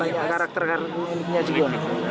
banyak karakter uniknya juga